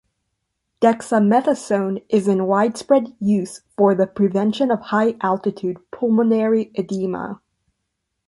Dexamethasone is in widespread use for the prevention of high altitude pulmonary edema.